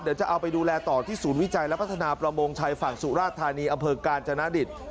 เดี๋ยวจะเอาไปดูแลต่อที่ศูนย์วิจัยและพัฒนาประมงชายฝั่งสุราธานีอำเภอกาญจนดิต